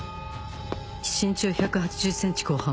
身長 １８０ｃｍ 後半